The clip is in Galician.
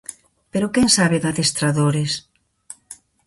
Pero quen sabe de adestradores?